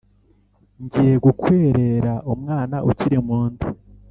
ngiye gukwerera umwana ukiri mu nda."